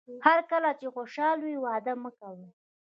هر کله چې خوشاله وئ وعده مه کوئ.